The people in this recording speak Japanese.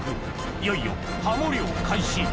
いよいよハモ漁開始